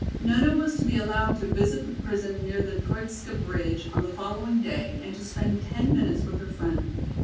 Nona was to be allowed to visit the prison near the Troitska bridge on the following day and to spend ten minutes with her friend.